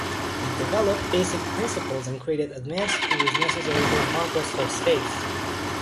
He developed basic principles and created advanced tools necessary for the conquest of space.